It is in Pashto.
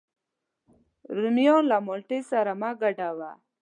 رومیان له مالټې سره مه ګډوه